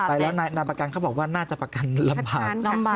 ไปแล้วนายประกันเขาบอกว่าน่าจะประกันลำบาก